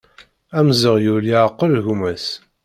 Amzeɣyul yeɛqel gma-s.